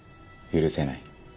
許せない？